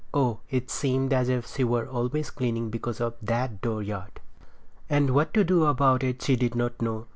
Oh, it seemed as if she were always cleaning because of that dooryard! And what to do about it she did not know.